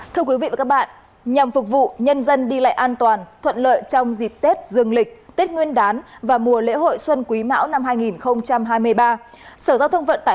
thưa quý vị và các bạn nhằm phục vụ nhân dân đi lại an toàn thuận lợi trong dịp tết dương lịch tết nguyên đán và mùa lễ hội xuân quý mão năm hai nghìn hai mươi ba